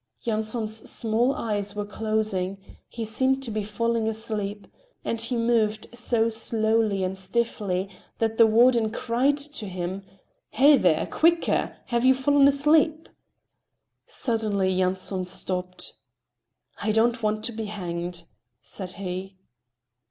Yanson's small eyes were closing; he seemed to be falling asleep, and he moved so slowly and stiffly that the warden cried to him: "Hey, there! Quicker! Have you fallen asleep?" Suddenly Yanson stopped. "I don't want to be hanged," said he.